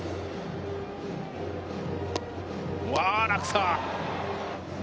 うわあ、落差！